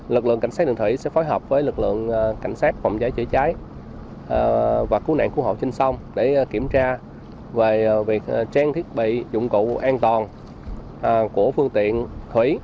lực lượng cảnh sát đường thủy sẽ phối hợp với lực lượng cảnh sát phòng cháy chữa cháy và cứu nạn cứu hộ trên sông để kiểm tra về việc trang thiết bị dụng cụ an toàn của phương tiện thủy